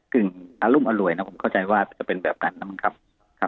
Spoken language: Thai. กึ่งอารุมอร่วยนะครับผมเข้าใจว่าจะเป็นแบบนั้นนะครับครับ